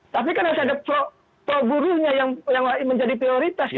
tapi kan harus ada pro burunya yang menjadi prioritas